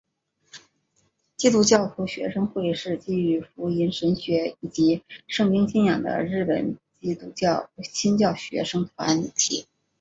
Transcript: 基督教徒学生会是基于福音神学以及圣经信仰的日本基督新教学生团体。